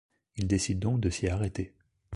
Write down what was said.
Il décide donc de s'y arrêter.